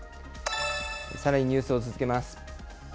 さらにニュースを続けます。